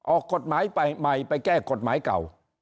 ออกกฎหมายใหม่ไปแก้กฎหมายเก่า